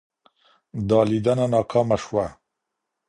دا لیدنه ناکامه شوه.